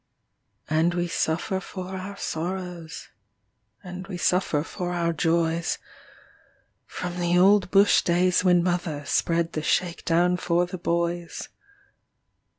And we suffer for our sorrows, And we suffer for our joys, From the old bush days when mother Spread the shake down for the boys.